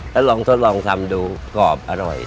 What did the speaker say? แล้วลองทดลองทำดูกรอบอร่อย